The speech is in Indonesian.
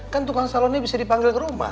kan tukang salonnya bisa dipanggil ke rumah